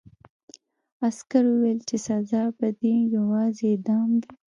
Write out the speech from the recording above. عسکر وویل چې سزا به دې یوازې اعدام وي